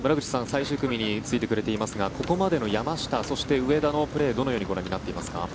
最終組についてくれていますがここまでの山下、そして上田のプレーはどのようにご覧になっていますか？